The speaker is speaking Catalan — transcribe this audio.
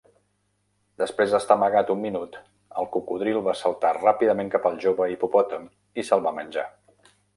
Després d'estar amagat un minut, el cocodril va saltar ràpidament cap al jove hipopòtam i se'l va menjar.